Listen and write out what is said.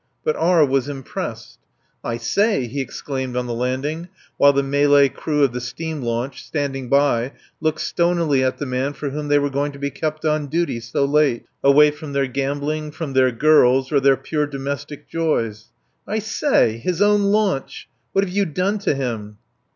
But R. was impressed. "I say!" he exclaimed on the landing, while the Malay crew of the steam launch standing by looked stonily at the man for whom they were going to be kept on duty so late, away from their gambling, from their girls, or their pure domestic joys. "I say! His own launch. What have you done to him?"